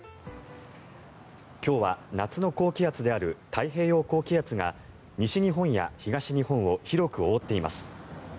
今日は夏の高気圧である太平洋高気圧が西日本や東日本を広く覆っています。